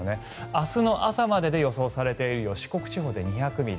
明日の朝までで予想されている雨量四国地方で２００ミリ